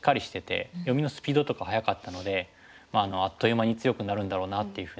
読みのスピードとか早かったのであっという間に強くなるんだろうなっていうふうな。